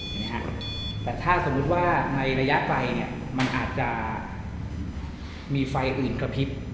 แต่ถ้าสมมุติว่าในระยะไกลเนี่ยมันอาจจะมีไฟอื่นกระพริบ